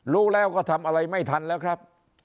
รู้แล้วก็ทำอะไรไม่ทันแล้วครับ